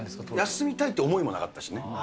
休みたいっていう思いもなかったしね。